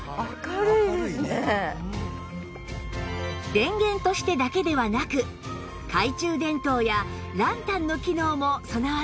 電源としてだけではなく懐中電灯やランタンの機能も備わっています